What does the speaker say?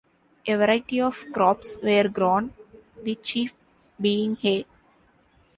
A variety of crops were grown, the chief being hay.